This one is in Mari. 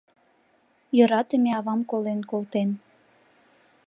Йӧратыме авам колен колтен